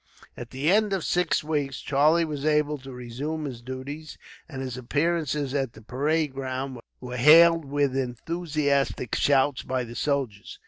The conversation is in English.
At the end of six weeks, Charlie was able to resume his duties, and his appearance at the parade ground was hailed with enthusiastic shouts by the soldiers.